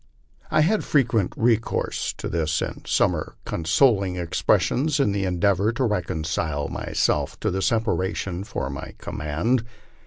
I had frequent recourse to this and similar consoling expressions, in the endeavor to reconcile myself to the separation from my command.